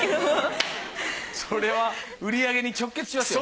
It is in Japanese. それは売り上げに直結しますよ。